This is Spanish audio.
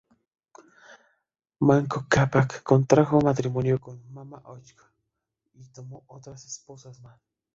Manco Cápac contrajo matrimonio con Mama Ocllo y tomó otras esposas más.